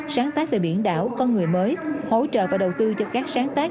sáng tác về biển đảo con người mới hỗ trợ và đầu tư cho các sáng tác